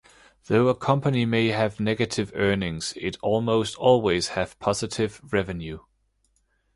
Though a company may have negative earnings, it almost always has positive revenue.